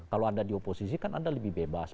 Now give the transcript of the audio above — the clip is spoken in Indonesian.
kalau anda di oposisi kan anda lebih bebas